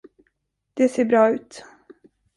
Det ser bra ut.